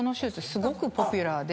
すごくポピュラーで。